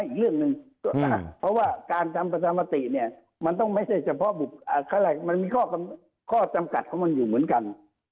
อีกเรื่องหนึ่งเพราะว่าการทำประชามติเนี่ยมันต้องไม่ใช่เฉพาะอะไรมันมีข้อจำกัดของมันอยู่เหมือนกัน